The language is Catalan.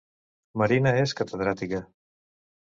Marina és catedràtica